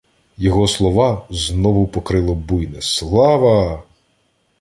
Його слова знову покрило буйне "Слава!".